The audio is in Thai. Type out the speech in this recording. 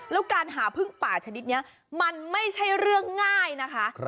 แล้วการหาพึ่งป่าชนิดนี้มันไม่ใช่เรื่องง่ายนะคะ